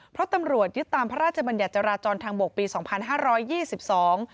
เพราะตำรวจยึดตามพระราชบัญญัติจราจรทางบกปีสองพันห้าร้อยยี่สิบสอง